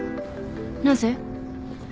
なぜ？